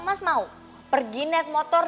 mas mau pergi naik motor